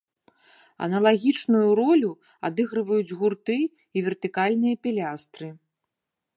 Аналагічную ролі адыгрываюць гурты і вертыкальныя пілястры.